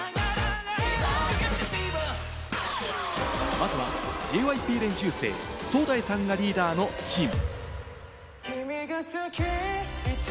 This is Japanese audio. まずはＪＹＰ練習生・ソウダイさんがリーダーのチーム。